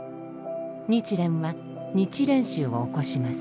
日蓮は日蓮宗を起こします。